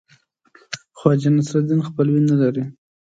خواجه نصیرالدین خپلوي نه لري.